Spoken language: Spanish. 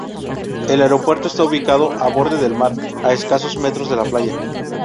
El aeropuerto está ubicado al borde del mar, a escasos metros de la playa.